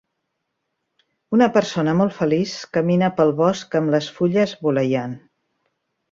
Una persona molt feliç camina pel bosc amb les fulles voleiant.